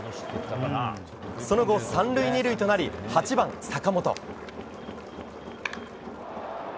その後、３塁２塁となり８番、坂本。